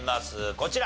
こちら。